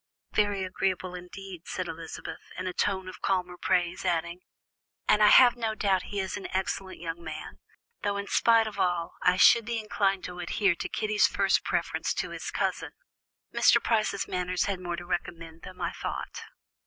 "Very agreeable indeed," said Elizabeth, in a tone of calmer praise, adding: "and I have no doubt he is an excellent young man, though in spite of all, I should be inclined to adhere to Kitty's first preference to his cousin; Mr. Price's manners had more to recommend them, I thought."